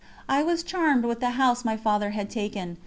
I was charmed with the house my Father had taken.